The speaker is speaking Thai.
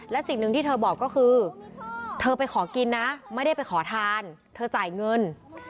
และสิ่งหนึ่งที่เธอบอกก็คือเธอไปขอกินนะไม่ได้ไปขอทานเธอจ่ายเงิน